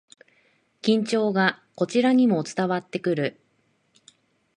緊張がこちらにも伝わってくる